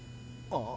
あ？